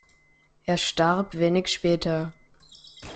Er starb wenig später.